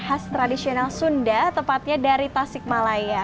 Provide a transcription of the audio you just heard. khas tradisional sunda tepatnya dari tasik malaya